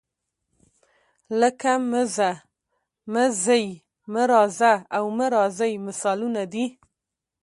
لکه مه ځه، مه ځئ، مه راځه او مه راځئ مثالونه دي.